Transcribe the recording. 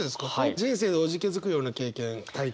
人生でおじけづくような経験体験。